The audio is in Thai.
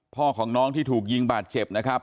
พ่อของน้องที่ถูกยิงบาดเจ็บนะครับ